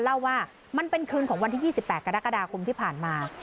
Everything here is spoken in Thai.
เล่าว่ามันเป็นคืนของวันที่๒๘กรกฎาคมที่ผ่านมา